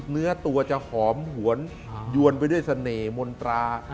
เนื้อตัวจะหอมหวนยวนไปด้วยเสน่หมนตรา